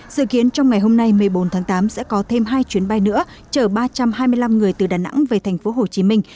dự kiến trong ngày hôm nay một mươi bốn tháng tám sẽ có thêm hai chuyến bay nữa chở ba trăm hai mươi năm người từ đà nẵng về thành phố hồ chí minh